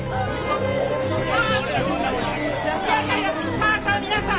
さあさあ皆さん。